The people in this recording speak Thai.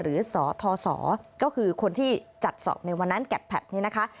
หรือสทศก็คือคนที่จัดสอบในวันนั้นแกดแพทนี้นะคะ